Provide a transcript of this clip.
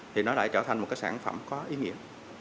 thì nó lại trở thành một cái sản phẩm có ý nghĩa